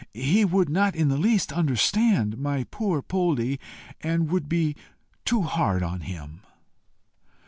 He would not in the least understand my poor Poldie, and would be too hard upon him."